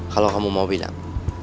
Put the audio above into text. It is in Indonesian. kalau kamu mau bilang